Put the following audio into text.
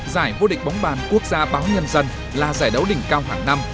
giải vô địch bóng bàn quốc gia báo nhân dân là giải đấu đỉnh cao hàng năm